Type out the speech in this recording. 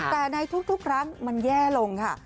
แต่ในทุกครั้งมันแย่ลงค่ะ